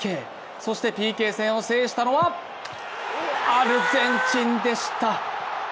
そしてＰＫ戦を制したのはアルゼンチンでした。